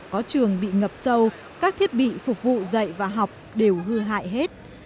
có trường bị ngập sâu các thiết bị phục vụ dạy và học đều hư hại hết